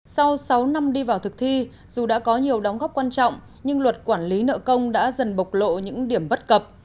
sau sáu năm đi vào thực thi dù đã có nhiều đóng góp quan trọng nhưng luật quản lý nợ công đã dần bộc lộ những điểm bất cập